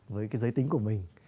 với cái giới tính của mình